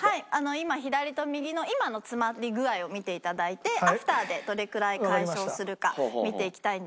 今左と右の今のつまり具合を見ていただいてアフターでどれくらい解消するか見ていきたいんですが。